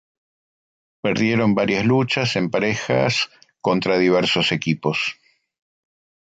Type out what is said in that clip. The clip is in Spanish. Perdieron varias luchas en parejas contra diversos equipos.